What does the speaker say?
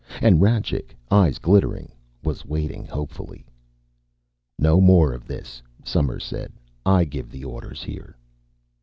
And Rajcik, eyes glittering, was waiting hopefully. "No more of this," Somers said. "I give the orders here."